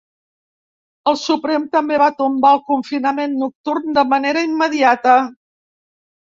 El Suprem també va tombar el confinament nocturn de manera immediata.